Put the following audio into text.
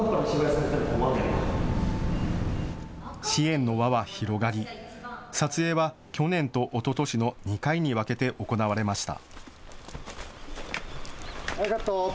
支援の輪は広がり、撮影は去年とおととしの２回に分けて行われました。